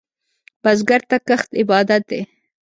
بزګر ته کښت عبادت دی